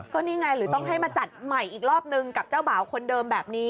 ก็นี่ไงหรือต้องให้มาจัดใหม่อีกรอบนึงกับเจ้าบ่าวคนเดิมแบบนี้